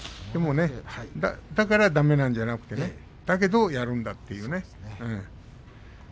だからだめなんじゃなくてだけどやるんだという。